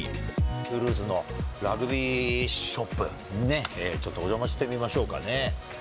トゥールーズのラグビーショップね、ちょっとお邪魔してみましょうかね。